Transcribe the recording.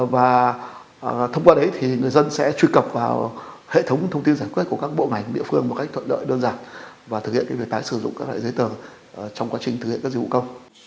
và thông qua đấy thì người dân sẽ truy cập vào hệ thống thông tin giải quyết của các bộ ngành địa phương một cách thuận lợi đơn giản và thực hiện việc tái sử dụng các loại giấy tờ trong quá trình thực hiện các dịch vụ công